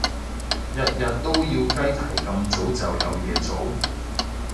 日日都要雞啼咁早就有嘢做？